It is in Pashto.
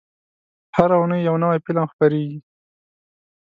هره اونۍ یو نوی فلم خپرېږي.